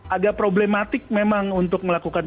agak problematik memang untuk melakukan